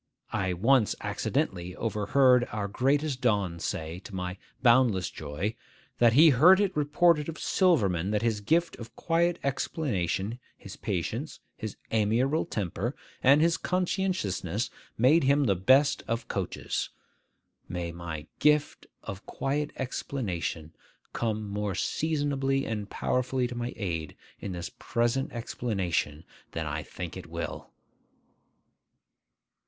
I once accidentally overheard our greatest don say, to my boundless joy, 'That he heard it reported of Silverman that his gift of quiet explanation, his patience, his amiable temper, and his conscientiousness made him the best of coaches.' May my 'gift of quiet explanation' come more seasonably and powerfully to my aid in this present explanation than I think it will!